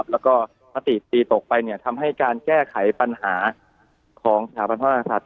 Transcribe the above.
และก็มาตีดตีตกไปทำให้การแก้ไขปัญหาของสาปันพันธ์ภาคศัตริย์